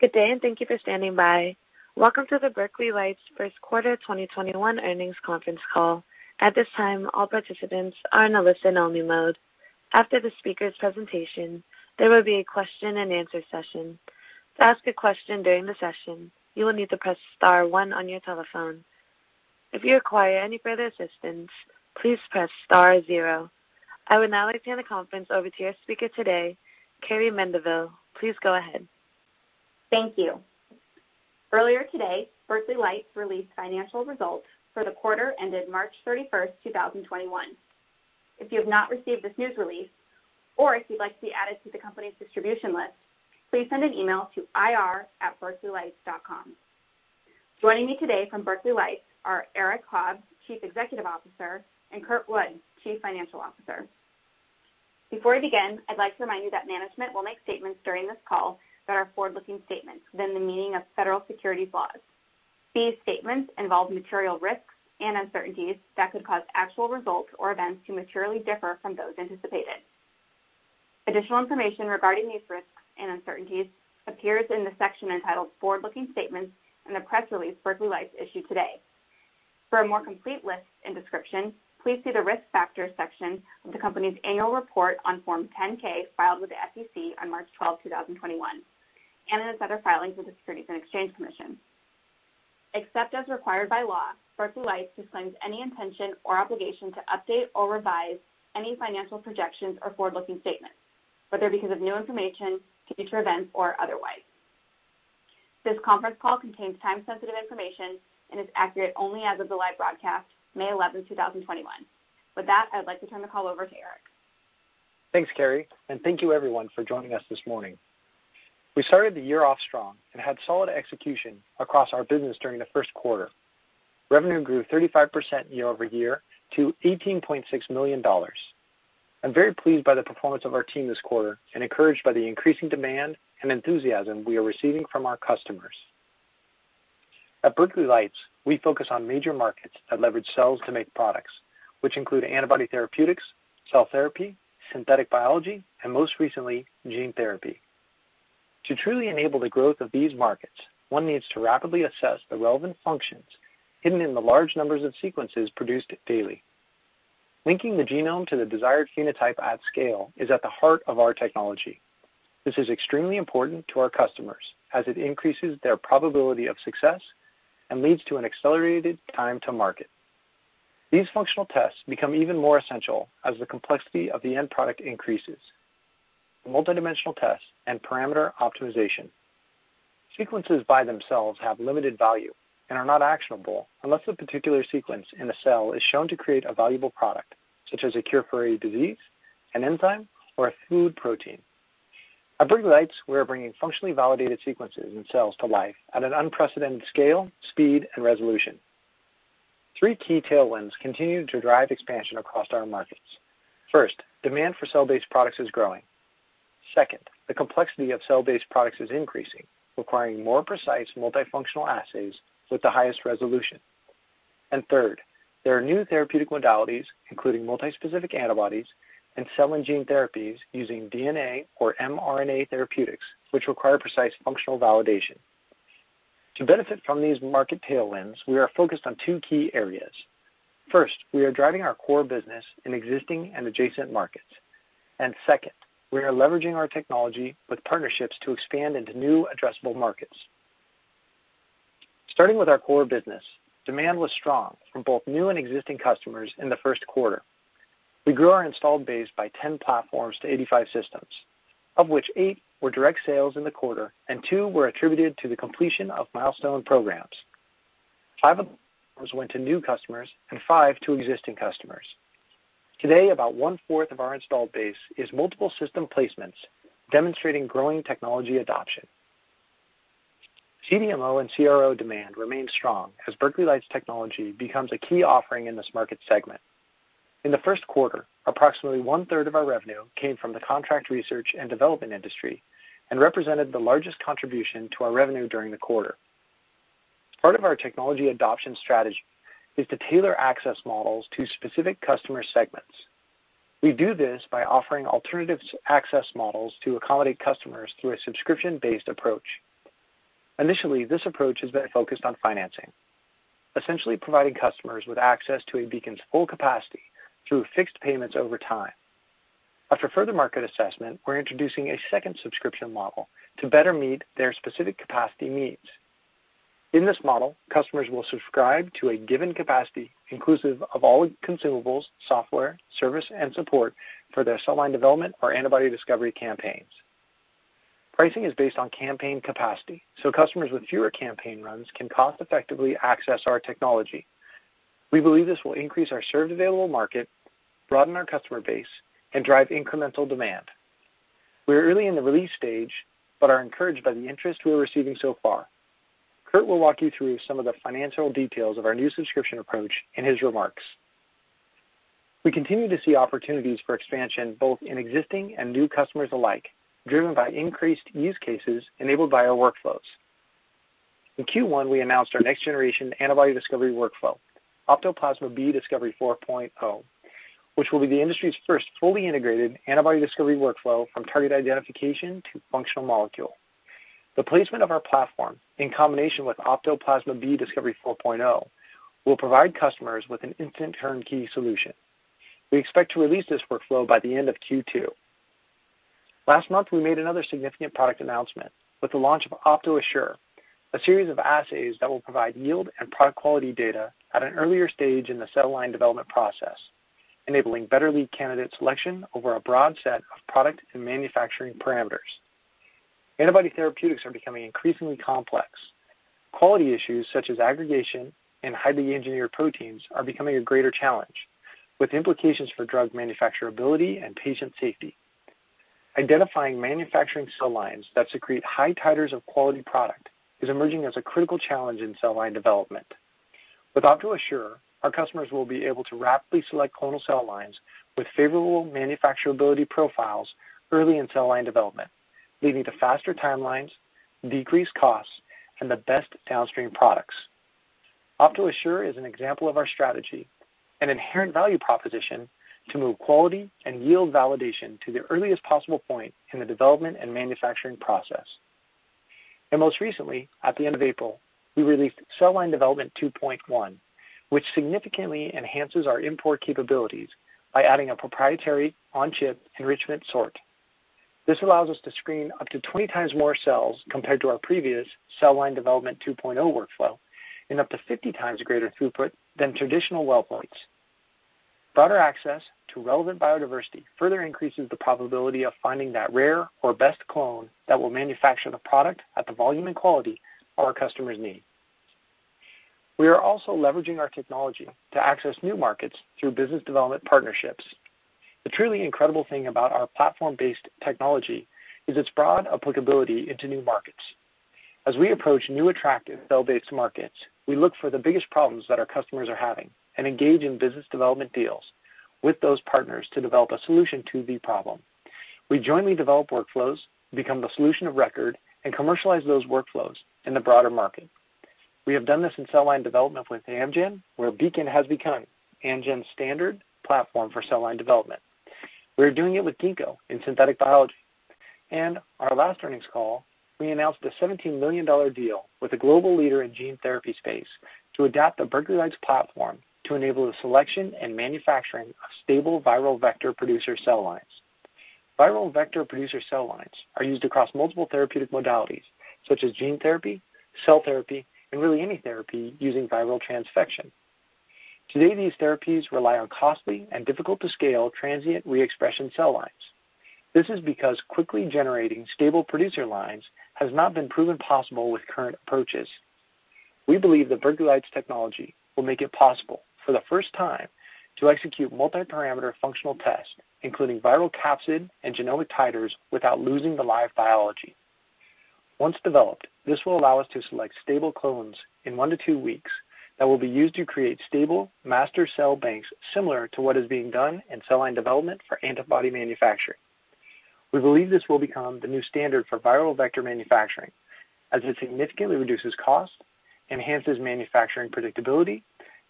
Good day, and thank you for standing by. Welcome to the Berkeley Lights first quarter 2021 earnings conference call. To ask a question during the session, you will need to press star one on your telephone. If you require any further assistance, please press star zero. I would now like to hand the conference over to your speaker today, Carrie Mendivil. Please go ahead. Thank you. Earlier today, Berkeley Lights released financial results for the quarter ended March 31st, 2021. If you have not received this news release, or if you'd like to be added to the company's distribution list, please send an email to ir@berkeleylights.com. Joining me today from Berkeley Lights are Eric Hobbs, Chief Executive Officer, and Kurt Wood, Chief Financial Officer. Before we begin, I'd like to remind you that management will make statements during this call that are forward-looking statements within the meaning of federal securities laws. These statements involve material risks and uncertainties that could cause actual results or events to materially differ from those anticipated. Additional information regarding these risks and uncertainties appears in the section entitled "Forward-Looking Statements" in the press release Berkeley Lights issued today. For a more complete list and description, please see the "Risk Factors" section of the company's annual report on Form 10-K filed with the SEC on March 12, 2021, and in its other filings with the Securities and Exchange Commission. Except as required by law, Berkeley Lights disclaims any intention or obligation to update or revise any financial projections or forward-looking statements, whether because of new information, future events, or otherwise. This conference call contains time-sensitive information and is accurate only as of the live broadcast, May 11, 2021. With that, I'd like to turn the call over to Eric. Thanks, Carrie, and thank you everyone for joining us this morning. We started the year off strong and had solid execution across our business during the first quarter. Revenue grew 35% year-over-year to $18.6 million. I'm very pleased by the performance of our team this quarter and encouraged by the increasing demand and enthusiasm we are receiving from our customers. At Berkeley Lights, we focus on major markets that leverage cells to make products, which include antibody therapeutics, cell therapy, synthetic biology, and most recently, gene therapy. To truly enable the growth of these markets, one needs to rapidly assess the relevant functions hidden in the large numbers of sequences produced daily. Linking the genome to the desired phenotype at scale is at the heart of our technology. This is extremely important to our customers, as it increases their probability of success and leads to an accelerated time to market. These functional tests become even more essential as the complexity of the end product increases. A multidimensional test and parameter optimization. Sequences by themselves have limited value and are not actionable unless a particular sequence in a cell is shown to create a valuable product, such as a cure for a disease, an enzyme, or a food protein. At Berkeley Lights, we are bringing functionally validated sequences and cells to life at an unprecedented scale, speed and resolution. Three key tailwinds continue to drive expansion across our markets. First, demand for cell-based products is growing. Second, the complexity of cell-based products is increasing, requiring more precise multifunctional assays with the highest resolution. Third, there are new therapeutic modalities, including multispecific antibodies and cell and gene therapies using DNA or mRNA therapeutics, which require precise functional validation. To benefit from these market tailwinds, we are focused on two key areas. First, we are driving our core business in existing and adjacent markets. Second, we are leveraging our technology with partnerships to expand into new addressable markets. Starting with our core business, demand was strong from both new and existing customers in the first quarter. We grew our installed base by 10 platforms to 85 systems, of which eight were direct sales in the quarter and two were attributed to the completion of milestone programs. Five of those went to new customers and five to existing customers. Today, about one-fourth of our installed base is multiple system placements, demonstrating growing technology adoption. CDMO and CRO demand remains strong as Berkeley Lights technology becomes a key offering in this market segment. In the first quarter, approximately one-third of our revenue came from the contract research and development industry and represented the largest contribution to our revenue during the quarter. Part of our technology adoption strategy is to tailor access models to specific customer segments. We do this by offering alternative access models to accommodate customers through a subscription-based approach. Initially, this approach has been focused on financing, essentially providing customers with access to a Beacon's full capacity through fixed payments over time. After further market assessment, we're introducing a second subscription model to better meet their specific capacity needs. In this model, customers will subscribe to a given capacity inclusive of all consumables, software, service, and support for their cell line development or antibody discovery campaigns. Pricing is based on campaign capacity, so customers with fewer campaign runs can cost-effectively access our technology. We believe this will increase our served available market, broaden our customer base, and drive incremental demand. We are early in the release stage, but are encouraged by the interest we're receiving so far. Kurt will walk you through some of the financial details of our new subscription approach in his remarks. We continue to see opportunities for expansion, both in existing and new customers alike, driven by increased use cases enabled by our workflows. In Q1, we announced our next-generation antibody discovery workflow, Opto Plasma B Discovery 4.0, which will be the industry's first fully integrated antibody discovery workflow from target identification to functional molecule. The placement of our platform, in combination with Opto Plasma B Discovery 4.0, will provide customers with an instant turnkey solution. We expect to release this workflow by the end of Q2. Last month, we made another significant product announcement with the launch of Opto Assure, a series of assays that will provide yield and product quality data at an earlier stage in the cell line development process, enabling better lead candidate selection over a broad set of product and manufacturing parameters. Antibody therapeutics are becoming increasingly complex. Quality issues such as aggregation and highly engineered proteins are becoming a greater challenge, with implications for drug manufacturability and patient safety. Identifying manufacturing cell lines that secrete high titers of quality product is emerging as a critical challenge in cell line development. With Opto Assure, our customers will be able to rapidly select clonal cell lines with favorable manufacturability profiles early in cell line development, leading to faster timelines, decreased costs, and the best downstream products. Opto Assure is an example of our strategy, an inherent value proposition to move quality and yield validation to the earliest possible point in the development and manufacturing process. Most recently, at the end of April, we released Opto Cell Line Development 2.1, which significantly enhances our import capabilities by adding a proprietary on-chip enrichment sort. This allows us to screen up to 20 times more cells compared to our previous Opto Cell Line Development 2.0 workflow and up to 50 times greater throughput than traditional well plates. Broader access to relevant biodiversity further increases the probability of finding that rare or best clone that will manufacture the product at the volume and quality our customers need. We are also leveraging our technology to access new markets through business development partnerships. The truly incredible thing about our platform-based technology is its broad applicability into new markets. As we approach new attractive cell-based markets, we look for the biggest problems that our customers are having and engage in business development deals with those partners to develop a solution to the problem. We jointly develop workflows, become the solution of record, and commercialize those workflows in the broader market. We have done this in cell line development with Amgen, where Beacon has become Amgen's standard platform for cell line development. We are doing it with Ginkgo in synthetic biology. Our last earnings call, we announced a $17 million deal with a global leader in gene therapy space to adapt the Berkeley Lights platform to enable the selection and manufacturing of stable viral vector producer cell lines. Viral vector producer cell lines are used across multiple therapeutic modalities such as gene therapy, cell therapy, and really any therapy using viral transfection. Today, these therapies rely on costly and difficult-to-scale transient re-expression cell lines. This is because quickly generating stable producer lines has not been proven possible with current approaches. We believe the Berkeley Lights technology will make it possible for the first time to execute multi-parameter functional tests, including viral capsid and genomic titers, without losing the live biology. Once developed, this will allow us to select stable clones in one to two weeks that will be used to create stable master cell banks similar to what is being done in cell line development for antibody manufacturing. We believe this will become the new standard for viral vector manufacturing as it significantly reduces cost, enhances manufacturing predictability,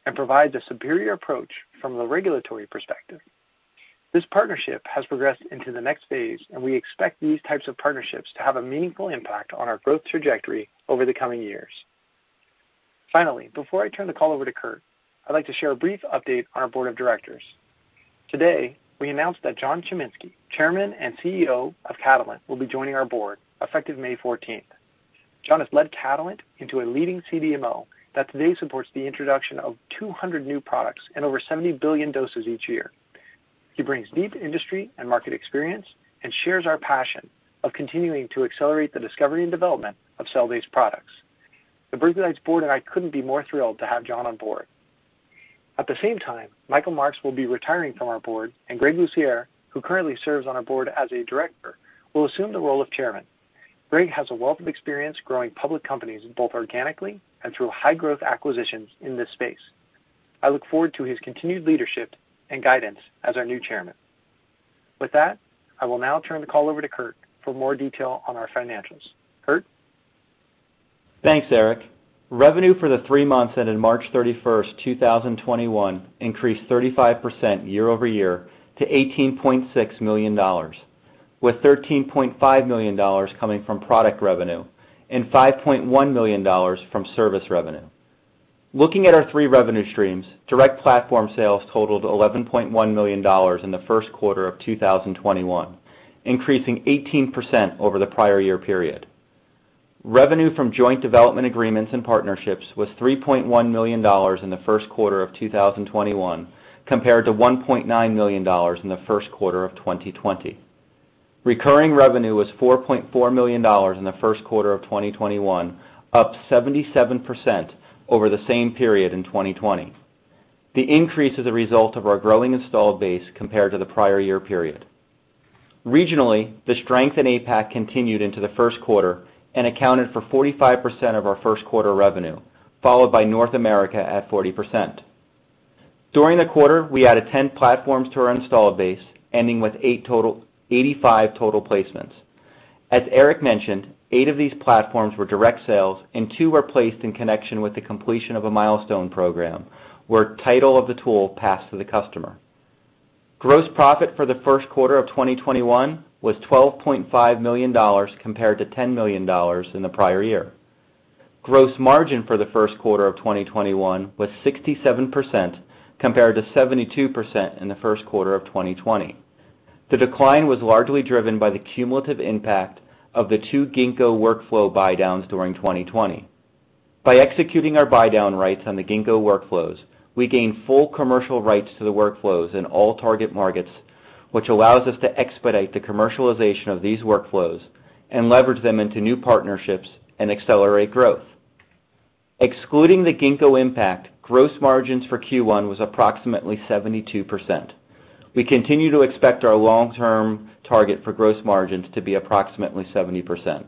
and provides a superior approach from the regulatory perspective. This partnership has progressed into the next phase, and we expect these types of partnerships to have a meaningful impact on our growth trajectory over the coming years. Finally, before I turn the call over to Kurt Wood, I'd like to share a brief update on our Board of Directors. Today, we announced that John Chiminski, Chairman and Chief Executive Officer of Catalent, will be joining our Board effective May 14th. John has led Catalent into a leading CDMO that today supports the introduction of 200 new products and over 70 billion doses each year. He brings deep industry and market experience and shares our passion of continuing to accelerate the discovery and development of cell-based products. The Berkeley Lights Board and I couldn't be more thrilled to have John on Board. At the same time, Michael Marks will be retiring from our board, and Greg Lucier, who currently serves on our board as a director, will assume the role of chairman. Greg has a wealth of experience growing public companies, both organically and through high-growth acquisitions in this space. I look forward to his continued leadership and guidance as our new chairman. With that, I will now turn the call over to Kurt for more detail on our financials. Kurt? Thanks, Eric. Revenue for the three months ending March 31st, 2021 increased 35% year-over-year to $18.6 million, with $13.5 million coming from product revenue and $5.1 million from service revenue. Looking at our three revenue streams, direct platform sales totaled $11.1 million in the first quarter of 2021, increasing 18% over the prior year period. Revenue from joint development agreements and partnerships was $3.1 million in the first quarter of 2021, compared to $1.9 million in the first quarter of 2020. Recurring revenue was $4.4 million in the first quarter of 2021, up 77% over the same period in 2020. The increase is a result of our growing installed base compared to the prior year period. Regionally, the strength in APAC continued into the first quarter and accounted for 45% of our first quarter revenue, followed by North America at 40%. During the quarter, we added 10 platforms to our install base, ending with 85 total placements. As Eric mentioned, eight of these platforms were direct sales and two were placed in connection with the completion of a milestone program where title of the tool passed to the customer. Gross profit for the first quarter of 2021 was $12.5 million, compared to $10 million in the prior year. Gross margin for the first quarter of 2021 was 67%, compared to 72% in the first quarter of 2020. The decline was largely driven by the cumulative impact of the two Ginkgo workflow buy downs during 2020. By executing our buy down rights on the Ginkgo workflows, we gain full commercial rights to the workflows in all target markets, which allows us to expedite the commercialization of these workflows and leverage them into new partnerships and accelerate growth. Excluding the Ginkgo impact, gross margins for Q1 was approximately 72%. We continue to expect our long-term target for gross margins to be approximately 70%.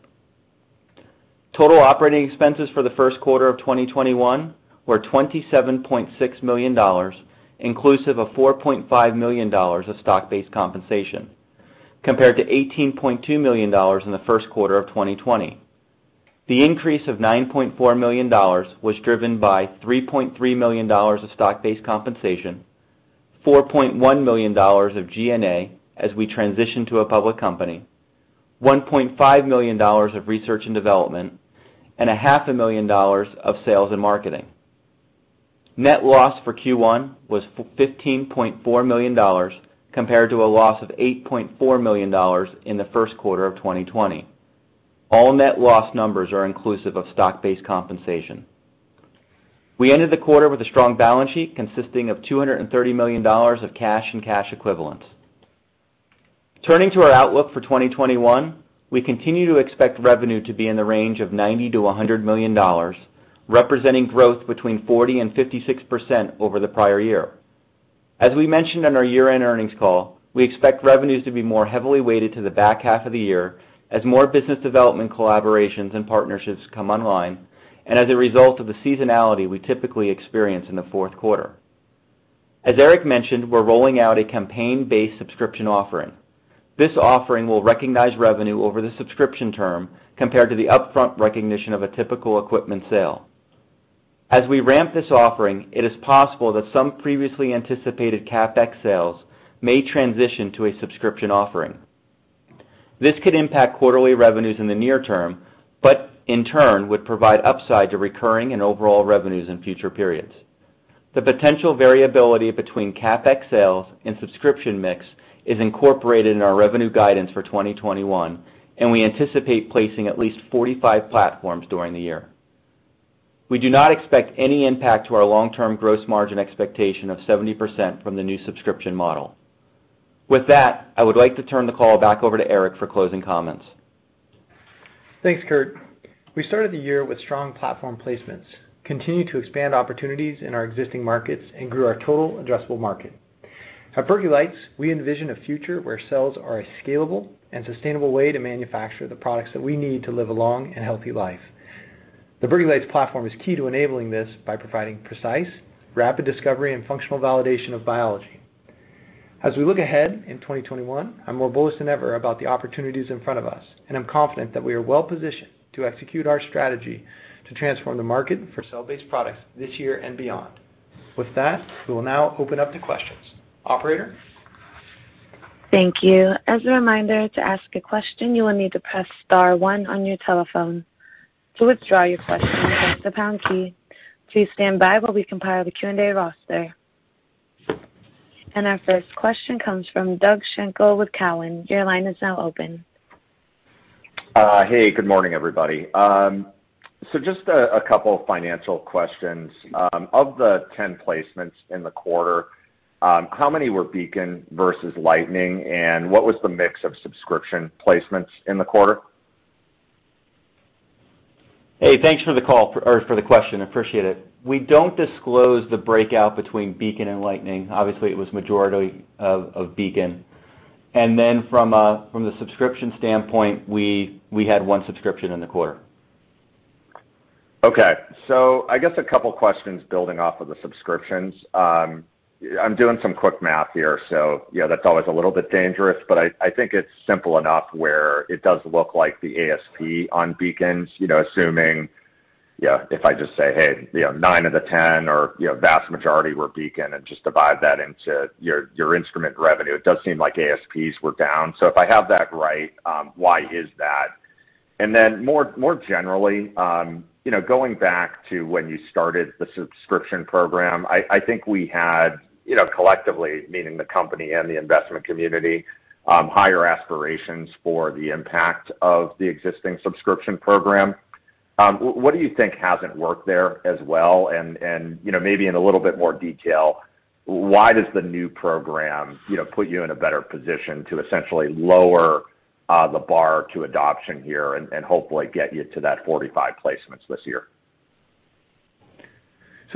Total operating expenses for the first quarter of 2021 were $27.6 million, inclusive of $4.5 million of stock-based compensation, compared to $18.2 million in the first quarter of 2020. The increase of $9.4 million was driven by $3.3 million of stock-based compensation, $4.1 million of G&A as we transition to a public company, $1.5 million of research and development, and a half a million dollars of sales and marketing. Net loss for Q1 was $15.4 million, compared to a loss of $8.4 million in the first quarter of 2020. All net loss numbers are inclusive of stock-based compensation. We ended the quarter with a strong balance sheet consisting of $230 million of cash and cash equivalents. Turning to our outlook for 2021, we continue to expect revenue to be in the range of $90 million-$100 million, representing growth between 40% and 56% over the prior year. As we mentioned on our year-end earnings call, we expect revenues to be more heavily weighted to the back half of the year as more business development collaborations and partnerships come online, and as a result of the seasonality we typically experience in the fourth quarter. As Eric mentioned, we're rolling out a campaign-based subscription offering. This offering will recognize revenue over the subscription term compared to the upfront recognition of a typical equipment sale. As we ramp this offering, it is possible that some previously anticipated CapEx sales may transition to a subscription offering. This could impact quarterly revenues in the near term, but in turn, would provide upside to recurring and overall revenues in future periods. The potential variability between CapEx sales and subscription mix is incorporated in our revenue guidance for 2021, and we anticipate placing at least 45 platforms during the year. We do not expect any impact to our long-term gross margin expectation of 70% from the new subscription model. With that, I would like to turn the call back over to Eric for closing comments. Thanks, Kurt. We started the year with strong platform placements, continued to expand opportunities in our existing markets, and grew our total addressable market. At Berkeley Lights, we envision a future where cells are a scalable and sustainable way to manufacture the products that we need to live a long and healthy life. The Berkeley Lights platform is key to enabling this by providing precise, rapid discovery, and functional validation of biology. As we look ahead in 2021, I'm more bullish than ever about the opportunities in front of us, and I'm confident that we are well-positioned to execute our strategy to transform the market for cell-based products this year and beyond. With that, we will now open up to questions. Operator? Thank you. As a reminder, to ask a question, you will need to press *1 on your telephone. To withdraw your question, press the # key. Please stand by while we compile the Q&A roster. Our first question comes from Doug Schenkel with Cowen. Your line is now open. Hey, good morning, everybody. Just a couple of financial questions. Of the 10 placements in the quarter, how many were Beacon versus Lightning, and what was the mix of subscription placements in the quarter? Hey, thanks for the question. Appreciate it. We don't disclose the breakout between Beacon and Lightning. Obviously, it was majority of Beacon. From the subscription standpoint, we had one subscription in the quarter. Okay. I guess a couple questions building off of the subscriptions. I'm doing some quick math here, so that's always a little bit dangerous, but I think it's simple enough where it does look like the ASP on Beacons, assuming if I just say, hey, nine of the 10 or vast majority were Beacon, and just divide that into your instrument revenue, it does seem like ASPs were down. If I have that right, why is that? More generally, going back to when you started the subscription program, I think we had collectively, meaning the company and the investment community, higher aspirations for the impact of the existing subscription program. What do you think hasn't worked there as well? Maybe in a little bit more detail, why does the new program put you in a better position to essentially lower the bar to adoption here and hopefully get you to that 45 placements this year?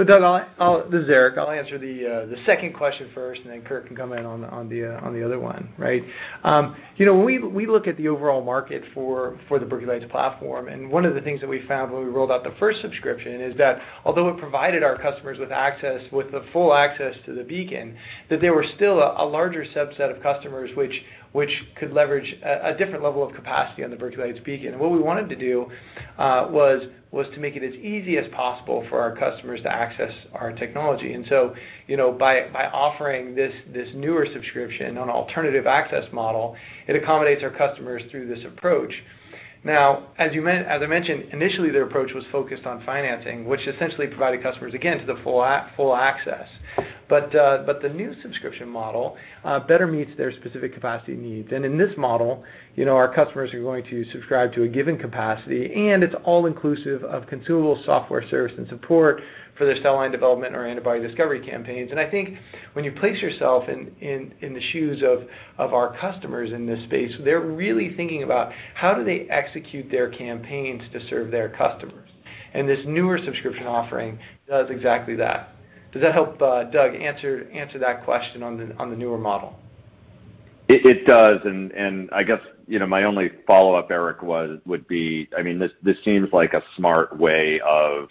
Doug, this is Eric. I'll answer the second question first, and then Kurt can come in on the other one. We look at the overall market for the Berkeley Lights platform, and one of the things that we found when we rolled out the first subscription is that although it provided our customers with the full access to the Beacon, that there was still a larger subset of customers which could leverage a different level of capacity on the Berkeley Lights Beacon. What we wanted to do was to make it as easy as possible for our customers to access our technology. By offering this newer subscription, an alternative access model, it accommodates our customers through this approach. As I mentioned, initially, their approach was focused on financing, which essentially provided customers, again, to the full access. The new subscription model better meets their specific capacity needs. In this model, our customers are going to subscribe to a given capacity, and it's all inclusive of consumable software service and support for their cell line development or antibody discovery campaigns. I think when you place yourself in the shoes of our customers in this space, they're really thinking about how do they execute their campaigns to serve their customers. This newer subscription offering does exactly that. Does that help, Doug, answer that question on the newer model? It does, and I guess, my only follow-up, Eric, would be, this seems like a smart way of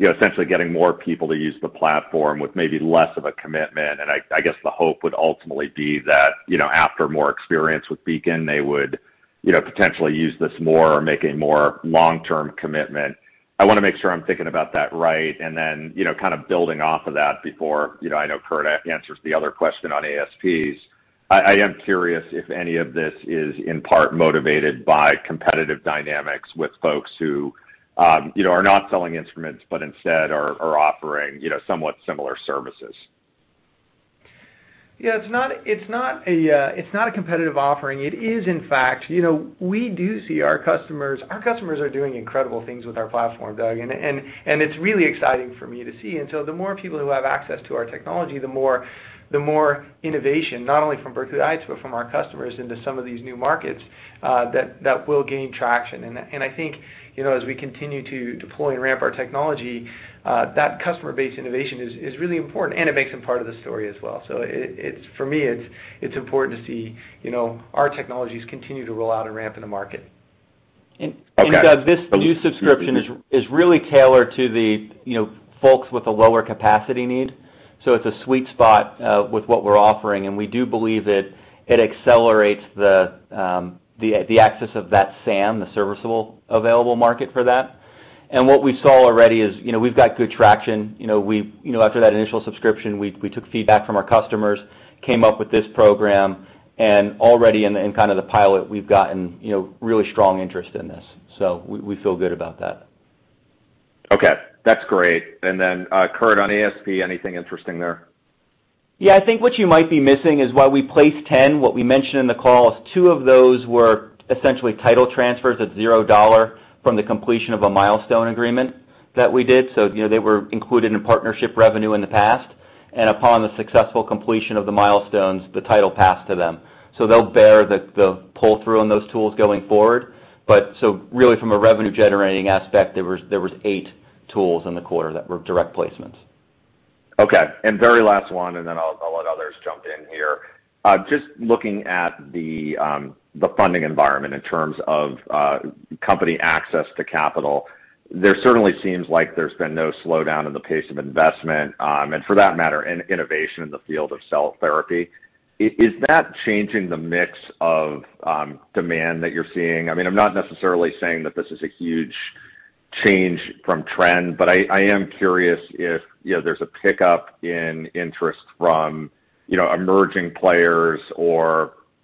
essentially getting more people to use the platform with maybe less of a commitment, and I guess the hope would ultimately be that after more experience with Beacon, they would potentially use this more or make a more long-term commitment. I want to make sure I'm thinking about that right. Then, kind of building off of that before I know Kurt answers the other question on ASPs. I am curious if any of this is in part motivated by competitive dynamics with folks who are not selling instruments, but instead are offering somewhat similar services. Yeah, it's not a competitive offering. It is, in fact, we do see Our customers are doing incredible things with our platform, Doug, and it's really exciting for me to see. The more people who have access to our technology, the more innovation, not only from Berkeley Lights, but from our customers into some of these new markets that will gain traction. I think as we continue to deploy and ramp our technology, that customer-based innovation is really important, and it makes them part of the story as well. For me, it's important to see our technologies continue to roll out and ramp in the market. Okay. Doug, this new subscription is really tailored to the folks with a lower capacity need, so it's a sweet spot with what we're offering, and we do believe that it accelerates the access of that SAM, the serviceable available market for that. What we saw already is we've got good traction. After that initial subscription, we took feedback from our customers, came up with this program, and already in the pilot, we've gotten really strong interest in this. We feel good about that. Okay. That's great. Kurt, on ASP, anything interesting there? Yeah, I think what you might be missing is while we placed 10, what we mentioned in the call is two of those were essentially title transfers at $0 from the completion of a milestone agreement that we did. They'll bear the pull-through on those tools going forward. Really from a revenue-generating aspect, there was eight tools in the quarter that were direct placements. Okay. Very last one, and then I'll let others jump in here. Just looking at the funding environment in terms of company access to capital, there certainly seems like there's been no slowdown in the pace of investment, and for that matter, innovation in the field of cell therapy. Is that changing the mix of demand that you're seeing? I'm not necessarily saying that this is a huge change from trend, but I am curious if there's a pickup in interest from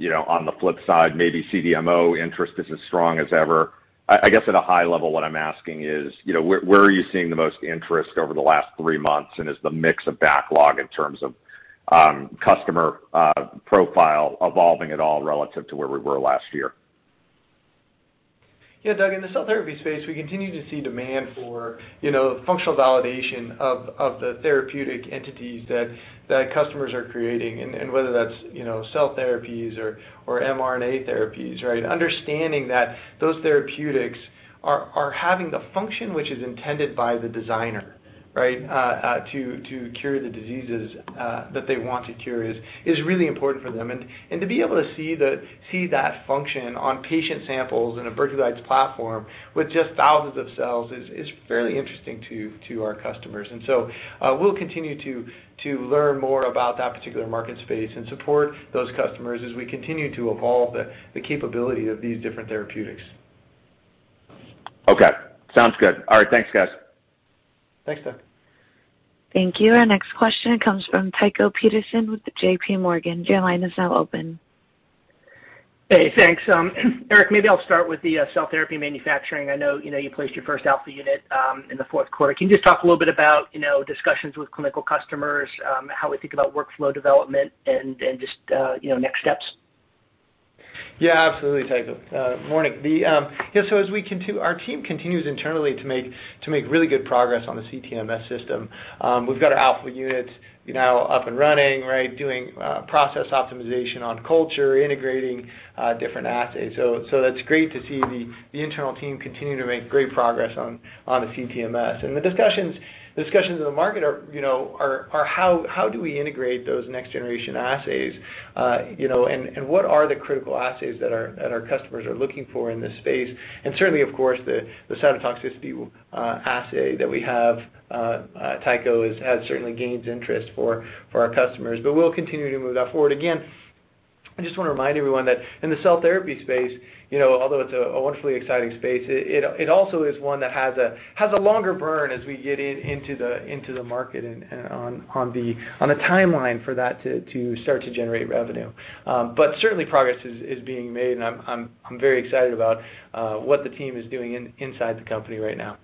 emerging players or, on the flip side, maybe CDMO interest is as strong as ever. I guess at a high level, what I'm asking is, where are you seeing the most interest over the last three months, and is the mix of backlog in terms of customer profile evolving at all relative to where we were last year? Yeah, Doug, in the cell therapy space, we continue to see demand for functional validation of the therapeutic entities that customers are creating, and whether that's cell therapies or mRNA therapies, right? Understanding that those therapeutics are having the function which is intended by the designer to cure the diseases that they want to cure is really important for them. To be able to see that function on patient samples in a Berkeley Lights platform with just thousands of cells is fairly interesting to our customers. We'll continue to learn more about that particular market space and support those customers as we continue to evolve the capability of these different therapeutics. Okay. Sounds good. All right. Thanks, guys. Thanks, Doug. Thank you. Our next question comes from Tycho Peterson with J.P. Morgan. Your line is now open. Hey, thanks. Eric, maybe I'll start with the cell therapy manufacturing. I know you placed your first Alpha unit in the fourth quarter. Can you just talk a little bit about discussions with clinical customers, how we think about workflow development, and just next steps? Yeah, absolutely, Tycho. Morning. Our team continues internally to make really good progress on the CTMS system. We've got our Alpha units now up and running, doing process optimization on culture, integrating different assays. That's great to see the internal team continue to make great progress on the CTMS. The discussions in the market are how do we integrate those next generation assays, and what are the critical assays that our customers are looking for in this space? Certainly, of course, the cytotoxicity assay that we have, Tycho, has certainly gained interest for our customers. We'll continue to move that forward. Again, I just want to remind everyone that in the cell therapy space, although it's a wonderfully exciting space, it also is one that has a longer burn as we get into the market and on the timeline for that to start to generate revenue. Certainly progress is being made, and I'm very excited about what the team is doing inside the company right now.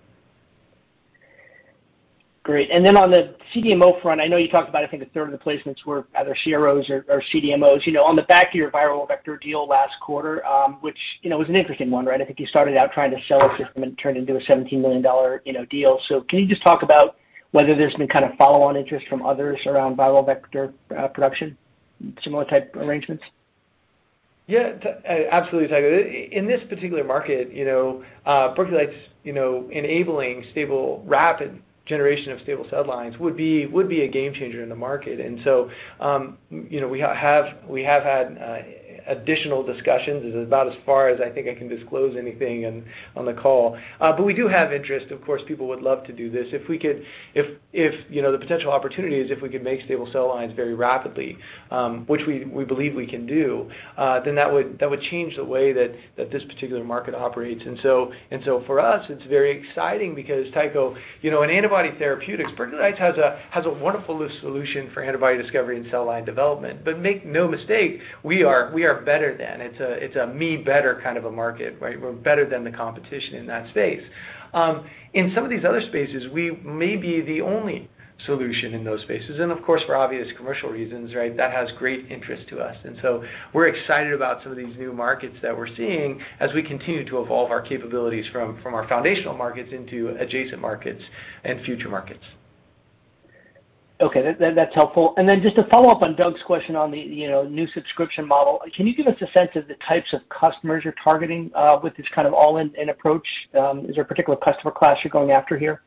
Great. On the CDMO front, I know you talked about, I think, a third of the placements were either CROs or CDMOs. On the back of your viral vector deal last quarter, which was an interesting one. I think you started out trying to sell a system and it turned into a $17 million deal. Can you just talk about whether there's been follow-on interest from others around viral vector production, similar type arrangements? Yeah, absolutely, Tycho. In this particular market, Berkeley Lights enabling rapid generation of stable cell lines would be a game changer in the market. We have had additional discussions, is about as far as I think I can disclose anything on the call. We do have interest. Of course, people would love to do this. The potential opportunity is if we could make stable cell lines very rapidly, which we believe we can do, then that would change the way that this particular market operates. For us, it's very exciting because, Tycho, in antibody therapeutics, Berkeley Lights has a wonderful solution for antibody discovery and cell line development. Make no mistake, we are better than. It's a me better kind of a market. We're better than the competition in that space. In some of these other spaces, we may be the only solution in those spaces. Of course, for obvious commercial reasons, that has great interest to us. We're excited about some of these new markets that we're seeing as we continue to evolve our capabilities from our foundational markets into adjacent markets and future markets. Okay. That's helpful. Then just a follow-up on Doug's question on the new subscription model. Can you give us a sense of the types of customers you're targeting with this all-in approach? Is there a particular customer class you're going after here?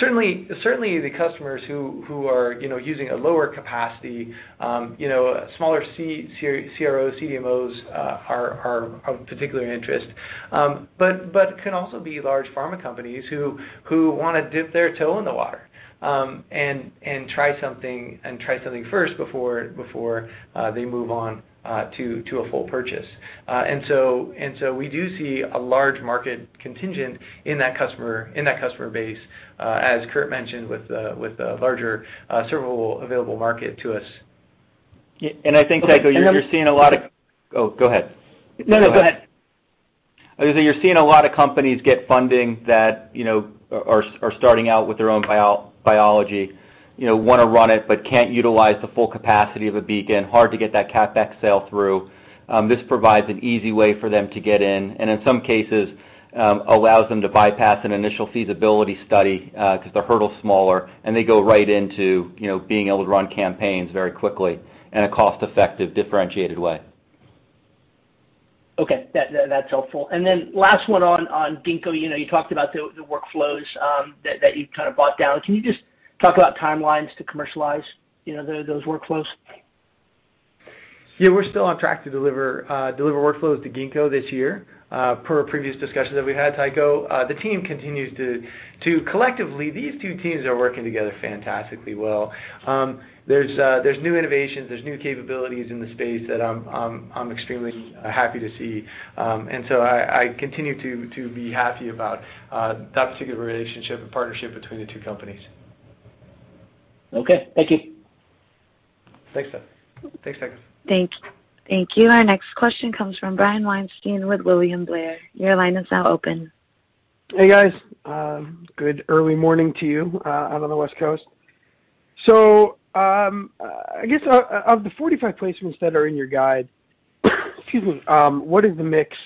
Certainly the customers who are using a lower capacity, smaller CROs, CDMOs are of particular interest. It can also be large pharma companies who want to dip their toe in the water and try something first before they move on to a full purchase. We do see a large market contingent in that customer base, as Kurt mentioned, with a larger servable available market to us. I think, Tycho, oh, go ahead. No, go ahead. You're seeing a lot of companies get funding that are starting out with their own biology, want to run it but can't utilize the full capacity of a Beacon, hard to get that CapEx sale through. This provides an easy way for them to get in, and in some cases allows them to bypass an initial feasibility study because the hurdle's smaller and they go right into being able to run campaigns very quickly in a cost-effective, differentiated way. Okay. That's helpful. Last one on Ginkgo. You talked about the workflows that you've built out. Can you just talk about timelines to commercialize those workflows? Yeah. We're still on track to deliver workflows to Ginkgo this year, per our previous discussions that we had, Tycho. Collectively, these two teams are working together fantastically well. There's new innovations, there's new capabilities in the space that I'm extremely happy to see. I continue to be happy about that particular relationship and partnership between the two companies. Okay. Thank you. Thanks, Tycho. Thank you. Our next question comes from Brian Weinstein with William Blair. Your line is now open. Hey, guys. Good early morning to you out on the West Coast. I guess, of the 45 placements that are in your guide, excuse me, what is the mix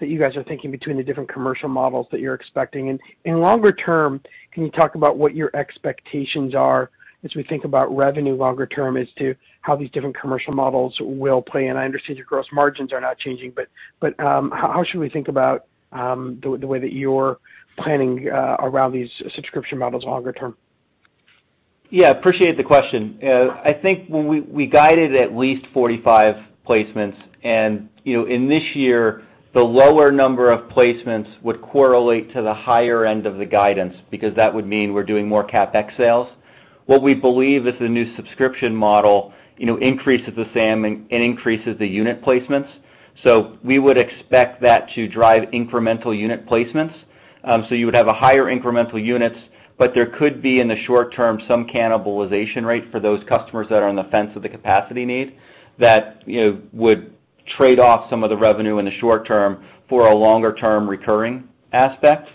that you guys are thinking between the different commercial models that you're expecting? In longer term, can you talk about what your expectations are as we think about revenue longer term as to how these different commercial models will play in? I understand your gross margins are not changing, but how should we think about the way that you're planning around these subscription models longer term? Yeah. Appreciate the question. I think when we guided at least 45 placements, and in this year, the lower number of placements would correlate to the higher end of the guidance, because that would mean we're doing more CapEx sales. What we believe is the new subscription model increases the SAM and increases the unit placements. You would have a higher incremental units, but there could be, in the short term, some cannibalization rate for those customers that are on the fence of the capacity need that would trade off some of the revenue in the short term for a longer-term recurring aspect.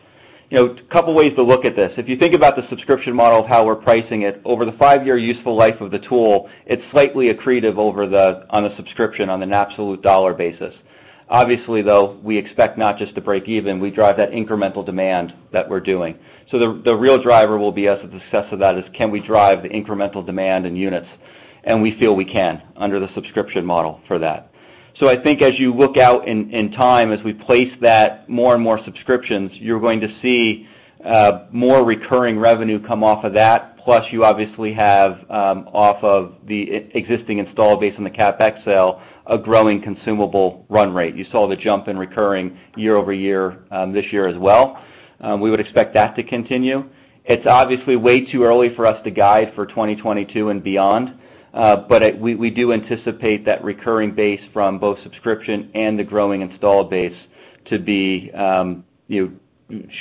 A couple ways to look at this. If you think about the subscription model of how we're pricing it, over the five-year useful life of the tool, it's slightly accretive on a subscription on an absolute dollar basis. Obviously, though, we expect not just to break even, we drive that incremental demand that we're doing. The real driver will be as the success of that is can we drive the incremental demand in units, and we feel we can under the subscription model for that. I think as you look out in time, as we place that more and more subscriptions, you're going to see more recurring revenue come off of that. Plus you obviously have off of the existing install base on the CapEx sale, a growing consumable run rate. You saw the jump in recurring year-over-year this year as well. We would expect that to continue. It's obviously way too early for us to guide for 2022 and beyond. We do anticipate that recurring base from both subscription and the growing installed base to be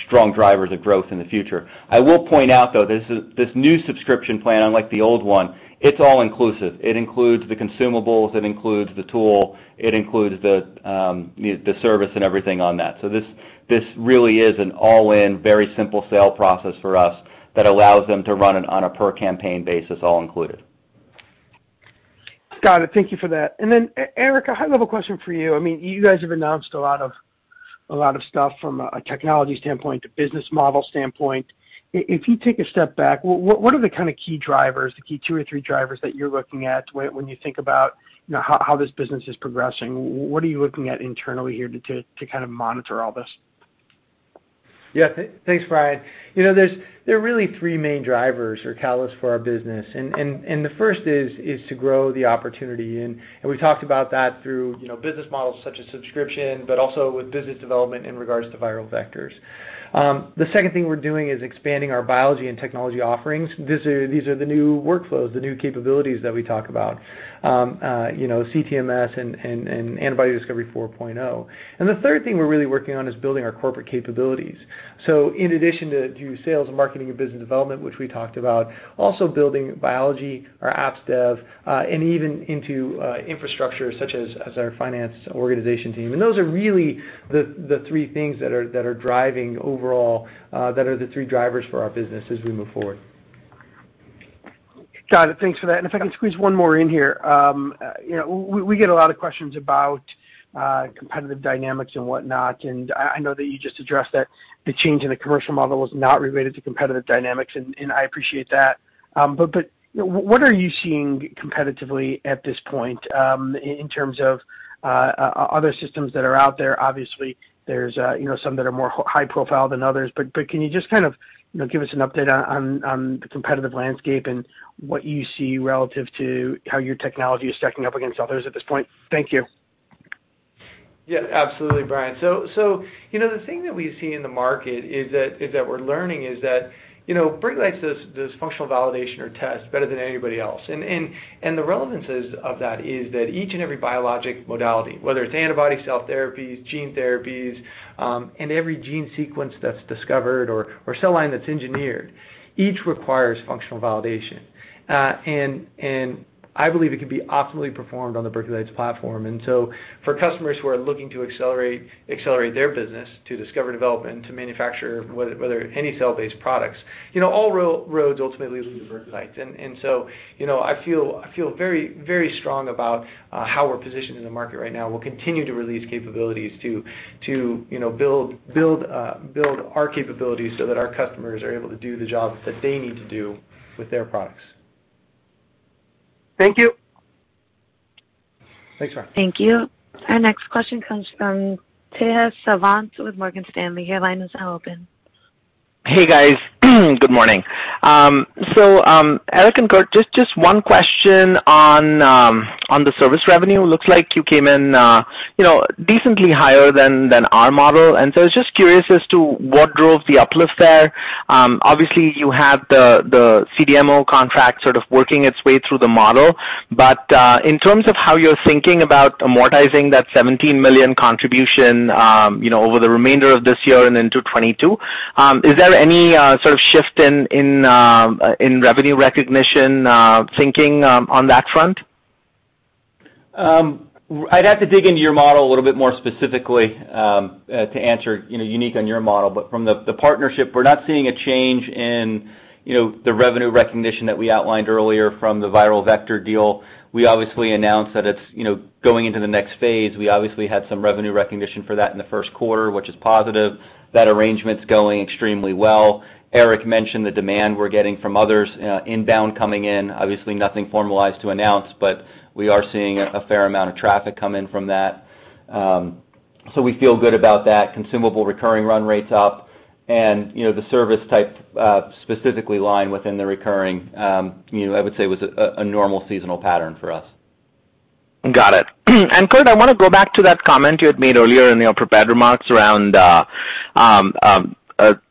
strong drivers of growth in the future. I will point out, though, this new subscription plan, unlike the old one, it's all inclusive. It includes the consumables, it includes the tool, it includes the service and everything on that. This really is an all-in very simple sale process for us that allows them to run it on a per campaign basis, all included. Got it. Thank you for that. Eric, a high-level question for you. You guys have announced a lot of stuff from a technology standpoint to business model standpoint. If you take a step back, what are the key drivers, the key two or three drivers that you're looking at when you think about how this business is progressing? What are you looking at internally here to monitor all this? Yeah. Thanks, Brian. There are really three main drivers or catalysts for our business. The first is to grow the opportunity in. We talked about that through business models such as subscription, also with business development in regards to viral vectors. The second thing we're doing is expanding our biology and technology offerings. These are the new workflows, the new capabilities that we talk about, CTMS and Opto Plasma B Discovery 4.0. The third thing we're really working on is building our corporate capabilities. In addition to sales and marketing and business development, which we talked about, also building biology, our apps dev, and even into infrastructure such as our finance organization team. Those are really the three things that are driving overall, that are the three drivers for our business as we move forward. Got it. Thanks for that. If I can squeeze one more in here. We get a lot of questions about competitive dynamics and whatnot, and I know that you just addressed that the change in the commercial model was not related to competitive dynamics, and I appreciate that. What are you seeing competitively at this point in terms of other systems that are out there? Obviously, there's some that are more high profile than others, but can you just give us an update on the competitive landscape and what you see relative to how your technology is stacking up against others at this point? Thank you. absolutely, Brian. The thing that we see in the market is that we're learning is that, Berkeley Lights does functional validation or tests better than anybody else. The relevance of that is that each and every biologic modality, whether it's antibody cell therapies, gene therapies, and every gene sequence that's discovered or cell line that's engineered, each requires functional validation. I believe it can be optimally performed on the Berkeley Lights platform. For customers who are looking to accelerate their business to discover development, to manufacture whether any cell-based products, all roads ultimately lead to Berkeley Lights. I feel very strong about how we're positioned in the market right now. We'll continue to release capabilities to build our capabilities so that our customers are able to do the job that they need to do with their products. Thank you. Thanks, Brian. Thank you. Our next question comes from Tejas Sawant with Morgan Stanley. Your line is now open. Hey, guys. Good morning. Eric and Kurt, just one question on the service revenue. Looks like you came in decently higher than our model. I was just curious as to what drove the uplift there. Obviously, you have the CDMO contract sort of working its way through the model. In terms of how you're thinking about amortizing that $17 million contribution over the remainder of this year and into 2022, is there any sort of shift in revenue recognition thinking on that front? I'd have to dig into your model a little bit more specifically to answer unique on your model. From the partnership, we're not seeing a change in the revenue recognition that we outlined earlier from the viral vector deal. We obviously announced that it's going into the next phase. We obviously had some revenue recognition for that in the first quarter, which is positive. That arrangement's going extremely well. Eric mentioned the demand we're getting from others inbound coming in, obviously nothing formalized to announce, but we are seeing a fair amount of traffic come in from that. We feel good about that. Consumable recurring run rate's up, the service type specifically line within the recurring, I would say, was a normal seasonal pattern for us. Got it. Kurt, I want to go back to that comment you had made earlier in the prepared remarks around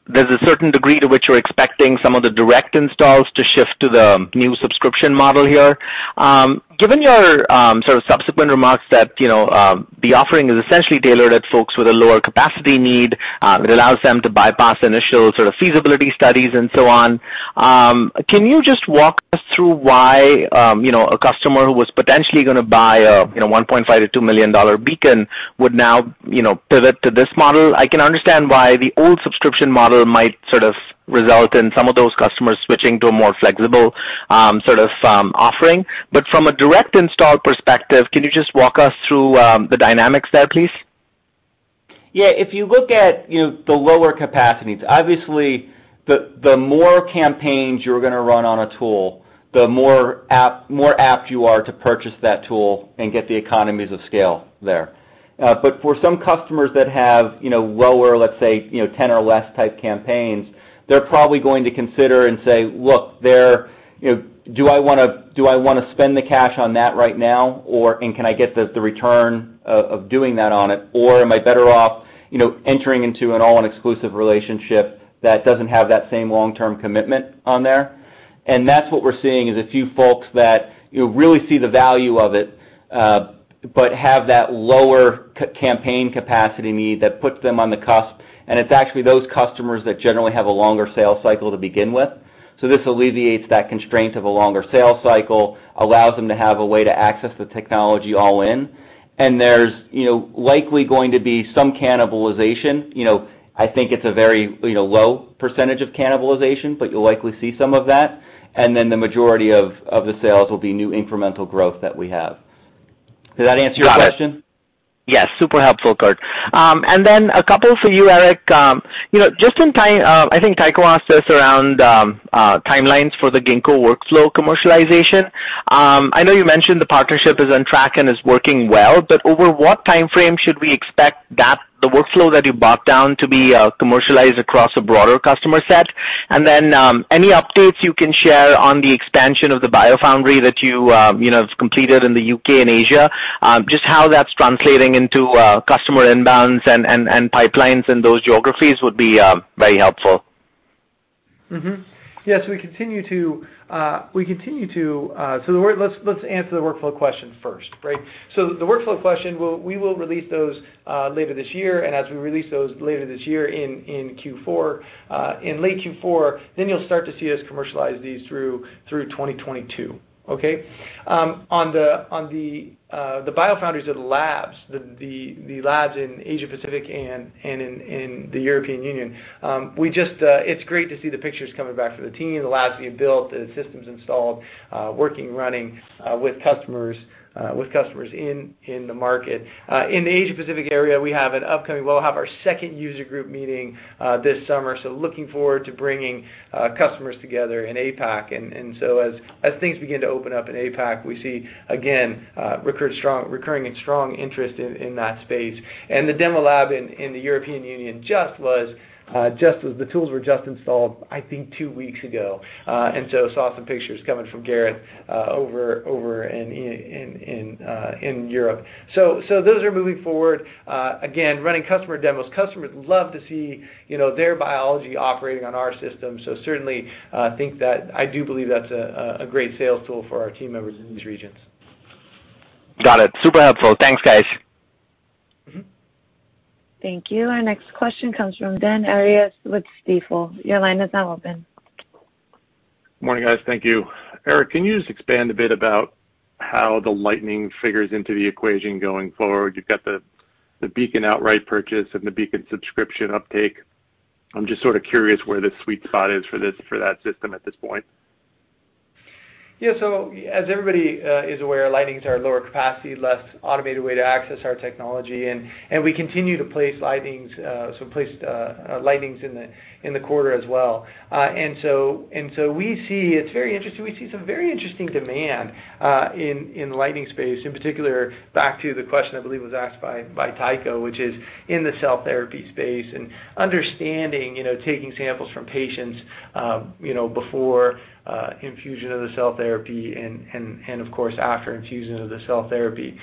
there's a certain degree to which you're expecting some of the direct installs to shift to the new subscription model here. Given your sort of subsequent remarks that the offering is essentially tailored at folks with a lower capacity need, it allows them to bypass initial sort of feasibility studies and so on, can you just walk us through why a customer who was potentially going to buy a $1.5 million-$2 million Beacon would now pivot to this model. I can understand why the old subscription model might result in some of those customers switching to a more flexible offering. From a direct install perspective, can you just walk us through the dynamics there, please? Yeah. If you look at the lower capacities, obviously the more campaigns you're going to run on a tool, the more apt you are to purchase that tool and get the economies of scale there. For some customers that have lower, let's say, 10 or less type campaigns, they're probably going to consider and say, "Look, do I want to spend the cash on that right now, and can I get the return of doing that on it? Or am I better off entering into an all-in exclusive relationship that doesn't have that same long-term commitment on there?" That's what we're seeing, is a few folks that really see the value of it, but have that lower campaign capacity need that puts them on the cusp. It's actually those customers that generally have a longer sales cycle to begin with. This alleviates that constraint of a longer sales cycle, allows them to have a way to access the technology all in, and there's likely going to be some cannibalization. I think it's a very low percentage of cannibalization, but you'll likely see some of that. The majority of the sales will be new incremental growth that we have. Did that answer your question? Got it. Yes. Super helpful, Kurt. Then a couple for you, Eric. Just on time, I think Tycho asked us around timelines for the Ginkgo workflow commercialization. I know you mentioned the partnership is on track and is working well, over what timeframe should we expect the workflow that you talked about to be commercialized across a broader customer set? Then any updates you can share on the expansion of the foundry that you have completed in the U.K. and Asia, just how that's translating into customer inbounds and pipelines in those geographies would be very helpful. Yeah. Let's answer the workflow question first, right? The workflow question, we will release those later this year, as we release those later this year in late Q4, you'll start to see us commercialize these through 2022. Okay? On the biofoundries of the labs, the labs in Asia Pacific and in the European Union, it's great to see the pictures coming back from the team, the labs being built, the systems installed, working, running with customers in the market. In the Asia Pacific area, we have an upcoming, well, have our second user group meeting this summer, looking forward to bringing customers together in APAC. As things begin to open up in APAC, we see, again, recurring and strong interest in that space. The demo lab in the European Union, the tools were just installed, I think, two weeks ago. Saw some pictures coming from Garrett over in Europe. Those are moving forward, again, running customer demos. Customers love to see their biology operating on our system, so certainly I do believe that's a great sales tool for our team members in these regions. Got it. Super helpful. Thanks, guys. Thank you. Our next question comes from Daniel Arias with Stifel. Your line is now open. Morning, guys. Thank you. Eric, can you just expand a bit about how the Lightning figures into the equation going forward? You've got the Beacon outright purchase and the Beacon subscription uptake. I'm just sort of curious where the sweet spot is for that system at this point. Yeah. As everybody is aware, Lightning's our lower capacity, less automated way to access our technology, and we continue to place Lightnings in the quarter as well. It's very interesting, we see some very interesting demand in the Lightning space, in particular, back to the question I believe was asked by Tycho, which is in the cell therapy space and understanding taking samples from patients before infusion of the cell therapy and of course, after infusion of the cell therapy.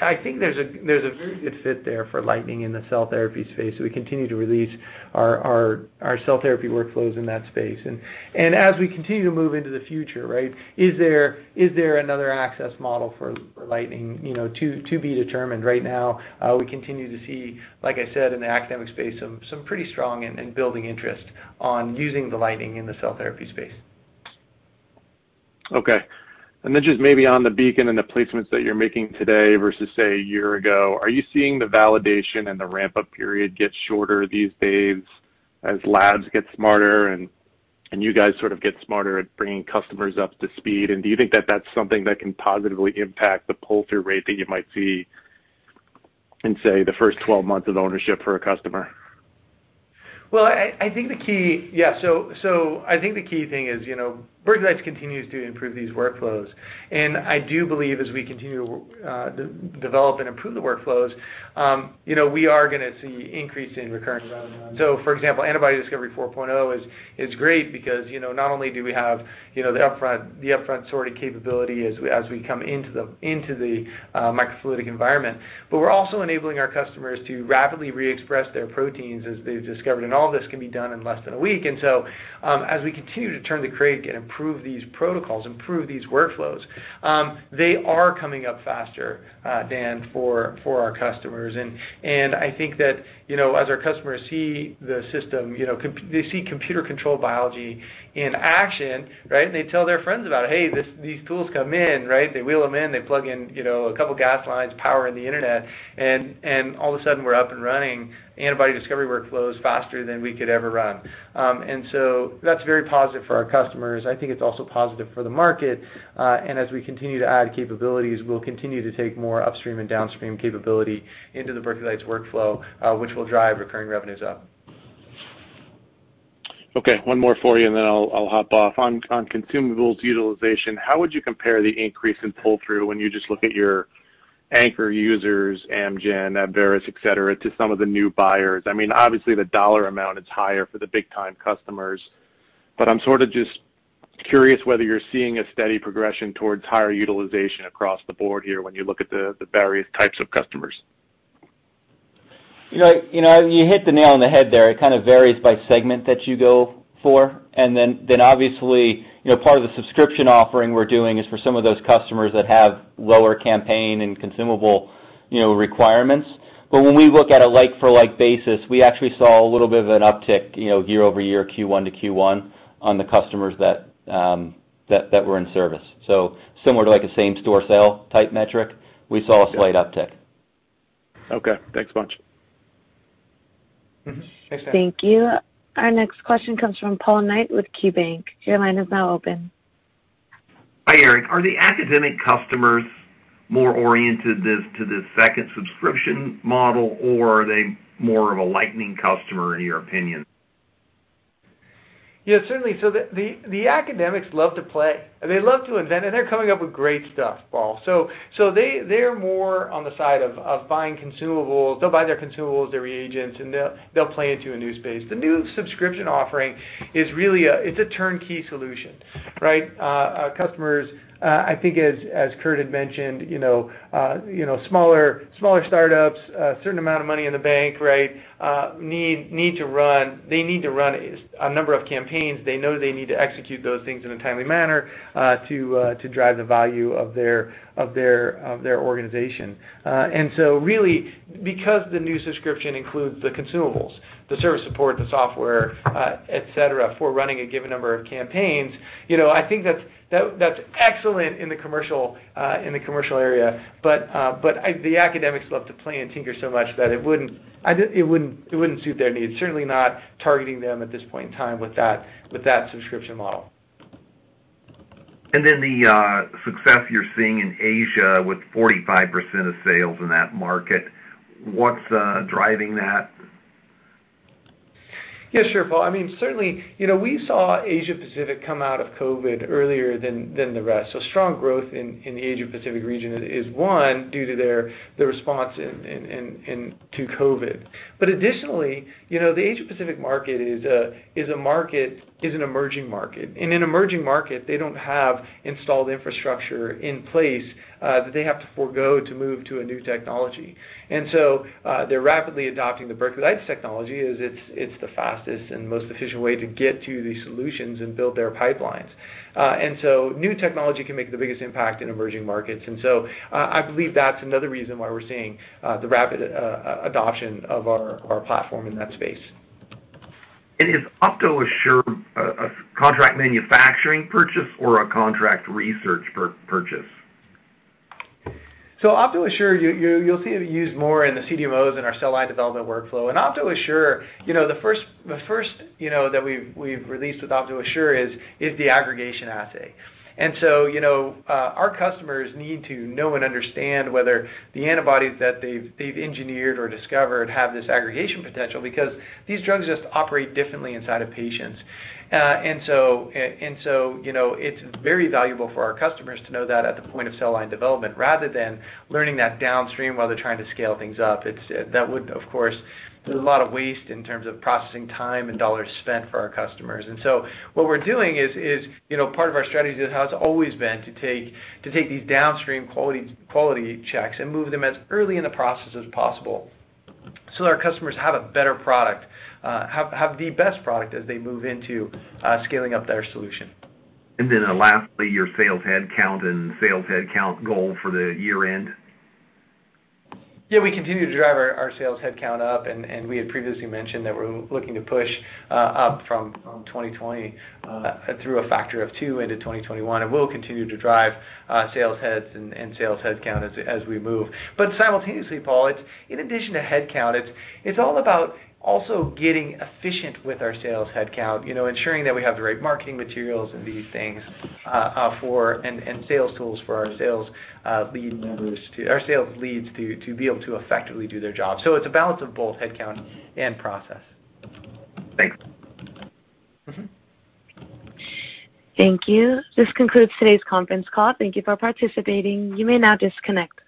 I think there's a very good fit there for Lightning in the cell therapy space. We continue to release our cell therapy workflows in that space. As we continue to move into the future, right, is there another access model for Lightning? To be determined. Right now, we continue to see, like I said, in the academic space, some pretty strong and building interest on using the Lightning in the cell therapy space. Okay. Just maybe on the Beacon and the placements that you're making today versus, say, a year ago, are you seeing the validation and the ramp-up period get shorter these days as labs get smarter and you guys sort of get smarter at bringing customers up to speed? Do you think that that's something that can positively impact the pull-through rate that you might see in, say, the first 12 months of ownership for a customer? Well, I think the key thing is Berkeley Lights continues to improve these workflows, and I do believe as we continue to develop and improve the workflows, we are going to see increase in recurring revenue. For example, Opto Plasma B Discovery 4.0 is great because not only do we have the upfront sorting capability as we come into the microfluidic environment, but we're also enabling our customers to rapidly re-express their proteins as they've discovered, and all this can be done in less than one week. As we continue to turn the crank and improve these protocols, improve these workflows, they are coming up faster than for our customers. I think that as our customers see the system, they see computer-controlled biology in action, right, they tell their friends about it, "Hey, these tools come in," right? They wheel them in, they plug in a couple gas lines, power, and the internet, and all of a sudden we're up and running Antibody Discovery workflows faster than we could ever run. That's very positive for our customers. I think it's also positive for the market. As we continue to add capabilities, we'll continue to take more upstream and downstream capability into the Berkeley Lights workflow, which will drive recurring revenues up. Okay, one more for you and then I'll hop off. On consumables utilization, how would you compare the increase in pull-through when you just look at your anchor users, Amgen, Abveris, et cetera, to some of the new buyers? Obviously, the dollar amount is higher for the big-time customers, but I'm sort of just curious whether you're seeing a steady progression towards higher utilization across the board here when you look at the various types of customers. You hit the nail on the head there. It kind of varies by segment that you go for. Obviously, part of the subscription offering we're doing is for some of those customers that have lower campaign and consumable requirements. When we look at a like-for-like basis, we actually saw a little bit of an uptick year-over-year Q1 to Q1 on the customers that were in service. Similar to a same-store sale type metric, we saw a slight uptick. Okay. Thanks a bunch. Mm-hmm. Thanks, Daniel. Thank you. Our next question comes from Paul Knight with KeyBanc. Your line is now open. Hi, Eric. Are the academic customers more oriented to the second subscription model, or are they more of a Lightning customer in your opinion? Yeah, certainly. The academics love to play, and they love to invent, and they're coming up with great stuff, Paul. They're more on the side of buying consumables. They'll buy their consumables, their reagents, and they'll play into a new space. The new subscription offering is a turnkey solution, right? Customers, I think as Kurt had mentioned, smaller startups, a certain amount of money in the bank, they need to run a number of campaigns. They know they need to execute those things in a timely manner to drive the value of their organization. Really, because the new subscription includes the consumables, the service support, the software, et cetera, for running a given number of campaigns, I think that's excellent in the commercial area. The academics love to play and tinker so much that it wouldn't suit their needs. Certainly not targeting them at this point in time with that subscription model. The success you're seeing in Asia with 45% of sales in that market, what's driving that? Yes, sure, Paul. Certainly, we saw Asia-Pacific come out of COVID earlier than the rest. Strong growth in the Asia-Pacific region is, one, due to their response to COVID. Additionally, the Asia-Pacific market is an emerging market. In an emerging market, they don't have installed infrastructure in place that they have to forego to move to a new technology. They're rapidly adopting the Berkeley Lights technology as it's the fastest and most efficient way to get to these solutions and build their pipelines. New technology can make the biggest impact in emerging markets, and so I believe that's another reason why we're seeing the rapid adoption of our platform in that space. Is Opto Assure a contract manufacturing purchase or a contract research purchase? Opto Assure, you'll see it used more in the CDMOs in our cell line development workflow. Opto Assure, the first that we've released with Opto Assure is the aggregation assay. Our customers need to know and understand whether the antibodies that they've engineered or discovered have this aggregation potential because these drugs just operate differently inside of patients. It's very valuable for our customers to know that at the point of cell line development, rather than learning that downstream while they're trying to scale things up. That would, of course, there's a lot of waste in terms of processing time and dollars spent for our customers. What we're doing is part of our strategy that has always been to take these downstream quality checks and move them as early in the process as possible so that our customers have a better product, have the best product as they move into scaling up their solution. Lastly, your sales headcount and sales headcount goal for the year-end? Yeah, we continue to drive our sales headcount up, and we had previously mentioned that we're looking to push up from 2020 through a factor of two into 2021, and we'll continue to drive sales heads and sales headcount as we move. Simultaneously, Paul, in addition to headcount, it's all about also getting efficient with our sales headcount, ensuring that we have the right marketing materials and these things and sales tools for our sales lead members to our sales leads to be able to effectively do their job. It's a balance of both headcount and process. Thanks. Thank you. This concludes today's conference call. Thank you for participating. You may now disconnect.